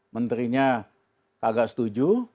menterinya kagak setuju